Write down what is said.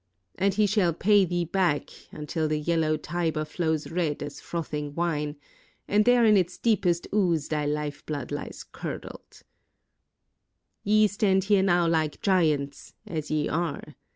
And he shall pay thee back, until the yellow Tiber flows red as frothing wine, and there in its deepest ooze thy lif eblood lies curdled 1 "Ye stand here now like giants, as ye are.